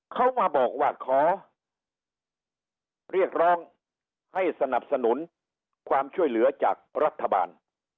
เขามาบอกว่าขอเรียกร้องให้สนับสนุนความช่วยเหลือจากรัฐบาล